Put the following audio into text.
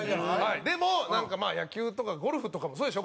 でも、野球とかゴルフとかもそうでしょ？